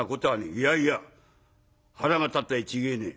「いやいや腹が立ったに違えねえ。